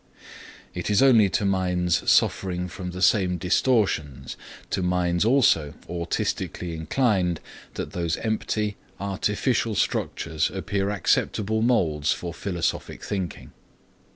It is only to minds suffering from the same distortions, to minds also autistically inclined, that those empty, artificial structures appear acceptable molds for philosophic thinking.